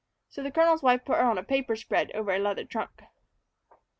So the colonel's wife put her on a paper spread over a leather trunk.